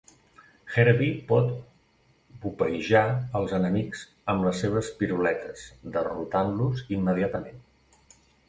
Herbie pot "bopeijar" als enemics amb les seves piruletes, derrotant-los immediatament.